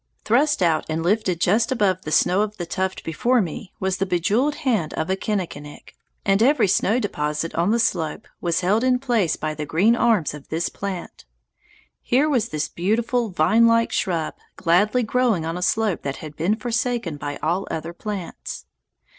Thrust out and lifted just above the snow of the tuft before me was the jeweled hand of a kinnikinick; and every snow deposit on the slope was held in place by the green arms of this plant. Here was this beautiful vinelike shrub gladly growing on a slope that had been forsaken by all other plants.